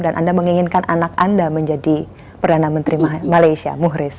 dan anda menginginkan anak anda menjadi perdana menteri malaysia muhriz